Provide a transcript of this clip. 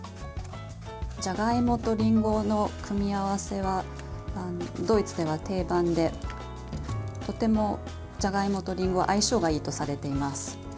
じゃがいもとりんごの組み合わせは、ドイツでは定番でとても、じゃがいもとりんごは相性がいいとされています。